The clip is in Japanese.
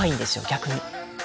逆に。